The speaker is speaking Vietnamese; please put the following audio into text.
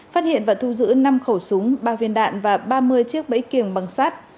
phát hiện và thu giữ năm khẩu súng ba viên đạn và ba mươi chiếc bẫy kiềng bằng sát